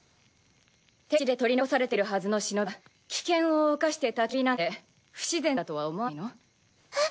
敵地で取り残されているはずの忍が危険を冒してたき火なんて不自然だとは思わないの？